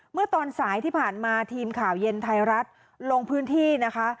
เมื่อตอนสายที่ผ่านมาทีมข่าวเย็นไทยรัฐลงพื้นที่นะคะ